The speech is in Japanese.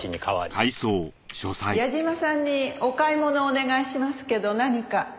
矢嶋さんにお買い物をお願いしますけど何か？